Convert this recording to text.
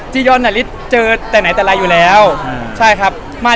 พี่เห็นไอ้เทรดเลิศเราทำไมวะไม่ลืมแล้ว